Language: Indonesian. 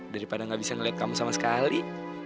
daripada gak bisa ngelihat kamu sama sekali